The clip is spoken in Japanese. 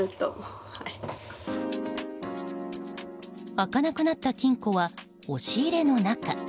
開かなくなった金庫は押し入れの中。